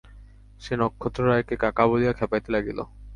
সে নক্ষত্ররায়কে কাকা বলিয়া খেপাইতে লাগিল।